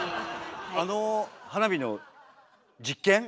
あの花火の実験？